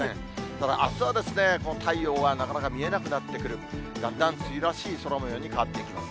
ただ、あすはこの太陽はなかなか見えなくなってくる、だんだん梅雨らしい空もように変わっていきます。